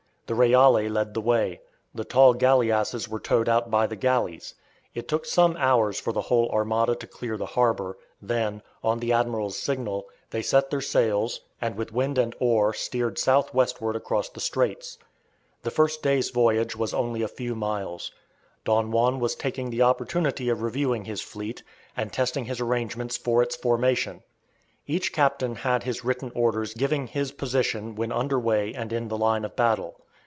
The "Reale" led the way; the tall galleasses were towed out by the galleys. It took some hours for the whole armada to clear the harbour, then, on the admiral's signal, they set their sails, and with wind and oar steered south westward across the straits. The first day's voyage was only a few miles. Don Juan was taking the opportunity of reviewing his fleet, and testing his arrangements for its formation. Each captain had his written orders giving his position when under way and in the line of battle.